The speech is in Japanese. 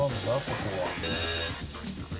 ここは。